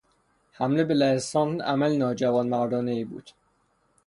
حمله به لهستان عمل ناجوانمردانهای بود.